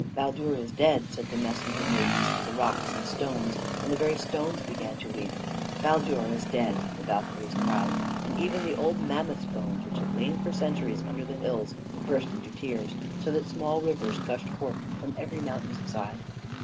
"Baldur is dead!" said the messenger maidens to the rocks and stones; and the very stones began to weep. "Baldur is dead!" the Valkyries cried; and even the old mammoth's bones which had lain for centuries under the hills, burst into tears, so that small rivers gushed forth from every mountain's side.